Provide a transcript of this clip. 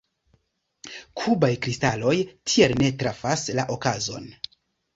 Kubaj kristaloj tiel ne trafas la okazon.